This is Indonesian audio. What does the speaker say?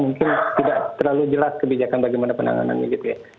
mungkin tidak terlalu jelas kebijakan bagaimana penanganannya gitu ya